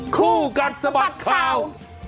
คู่กันสมัครข่าว